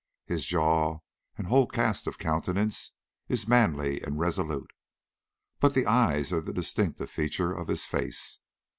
His jaw and whole cast of countenance is manly and resolute, but the eyes are the distinctive feature of his face.